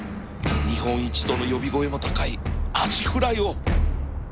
日本一との呼び声も高いアジフライを